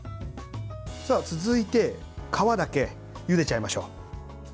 続いて皮だけゆでちゃいましょう。